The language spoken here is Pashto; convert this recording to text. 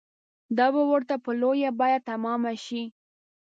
دا به ورته په لویه بیه تمامه شي.